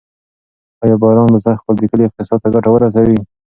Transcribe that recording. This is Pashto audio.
آیا باران به سږکال د کلي اقتصاد ته ګټه ورسوي؟